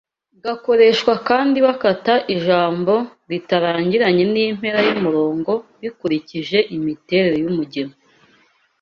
Gakoreshwa kandi bakata ijambo ritarangiranye n’impera y’umurongo bikurikije imiterere y’umugemo